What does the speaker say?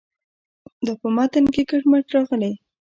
دا په متن کې کټ مټ راغلې.